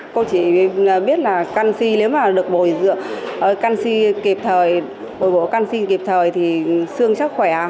cô chỉ biết là canxi nếu mà được bồi dưỡng canxi kịp thời bồi bổ canxi kịp thời thì xương chắc khỏe